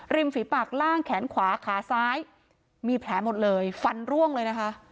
ฝีปากล่างแขนขวาขาซ้ายมีแผลหมดเลยฟันร่วงเลยนะคะ